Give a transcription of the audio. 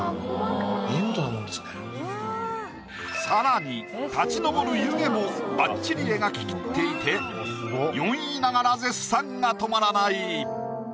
さらに立ち上る湯気もばっちり描ききっていて４位ながら絶賛が止まらない。